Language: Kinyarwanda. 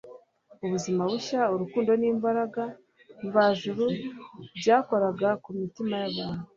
Ubuzima bushya, urukundo n'imbaraga mva juru byakoraga ku mitima y'abantu,